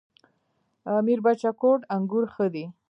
میربچه کوټ انګور ښه دي؟